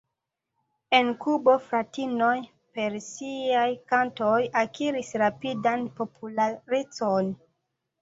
En Kubo la fratinoj per siaj kantoj akiris rapidan popularecon.